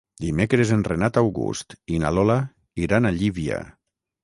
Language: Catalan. Dimecres en Renat August i na Lola iran a Llívia.